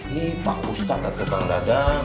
ini pak ustadz yang kebang dadang